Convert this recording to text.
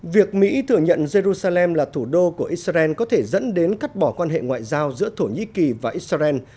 việc mỹ thừa nhận jerusalem là thủ đô của israel có thể dẫn đến cắt bỏ quan hệ ngoại giao giữa thổ nhĩ kỳ và israel